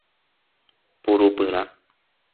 Purupyrã